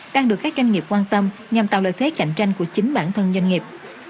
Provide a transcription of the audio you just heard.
đang được các doanh nghiệp quan tâm nhằm tạo lợi thế cạnh tranh của chính bản thân doanh nghiệp